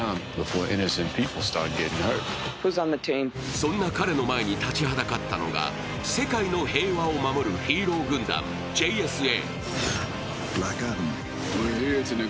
そんな彼の前に立ちはだかったのが世界の平和を守るヒーロー軍団・ＪＳＡ。